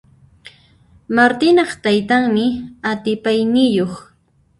Martinaq taytanmi atipayniyuq.